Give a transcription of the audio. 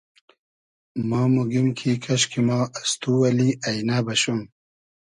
ما موگیم کی کئشکی ما از تو اللی اݷنۂ بئشوم